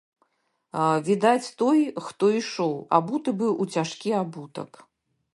Відаць, той, хто ішоў, абуты быў у цяжкі абутак.